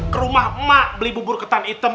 ke rumah emak beli bubur ketan hitam